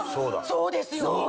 そうですよ！